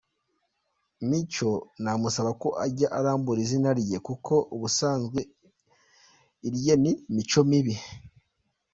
Mico namusaba ko yajya arambura izina rye, kuko ubusanzwe irye ni Micomibi.